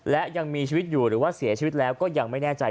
และยังมีชีวิตอยู่หรือว่าเสียชีวิตแล้วก็ยังไม่แน่ใจ